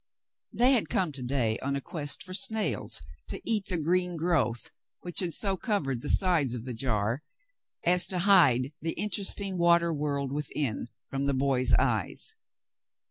They had come to day on a quest for snails to eat the green growth, which had so covered the sides of the jar as to hide the interesting water world within from the boy's eyes.